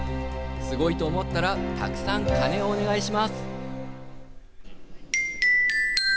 すごいと思ったらたくさん鐘をお願いします。